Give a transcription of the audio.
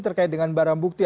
terkait dengan barang bukti